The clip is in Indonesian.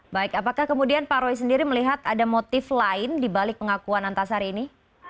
baik apakah kemudian pak roy sendiri melihat ada motif lain dibalik pengakuan antasari ini